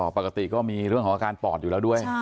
ปกติก็มีเรื่องของอาการปอดอยู่แล้วด้วย